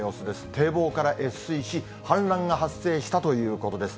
堤防から越水し、氾濫が発生したということです。